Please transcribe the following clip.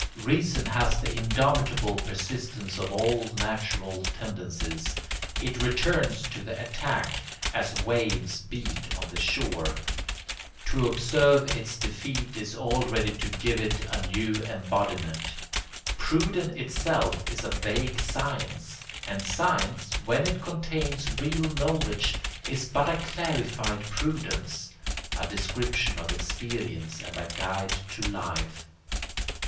Reason has the indomitable persistence of all natural tendencies; it returns to the attack as waves beat on the shore. To observe its defeat is already to give it a new embodiment. Prudence itself is a vague science, and science, when it contains real knowledge, is but a clarified prudence, a description of experience and a guide to life.